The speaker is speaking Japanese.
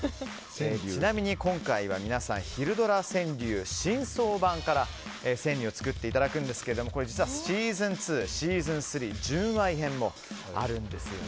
ちなみに今回は皆さん昼ドラ川柳新装版から川柳を作っていただくんですが実はシーズン２、シーズン３１０枚編もあるんです。